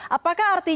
bagaimana menurut anda